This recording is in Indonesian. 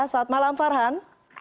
selamat malam farhan